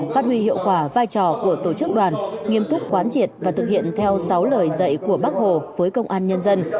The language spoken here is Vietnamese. phát huy hiệu quả vai trò của tổ chức đoàn nghiêm túc quán triệt và thực hiện theo sáu lời dạy của bác hồ với công an nhân dân